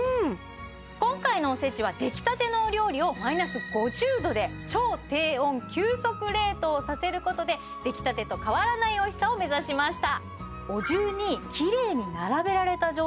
今回のおせちは出来たてのお料理をマイナス５０度で超低温急速冷凍させることで出来たてと変わらないおいしさを目指しました